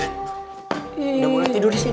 kita boleh tidur disini ya